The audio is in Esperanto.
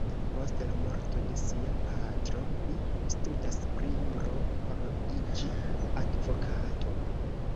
Post la morto de sia patro, li studas pri juro por iĝi advokato.